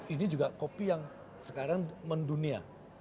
ini juga kopi yang sekarang mendunia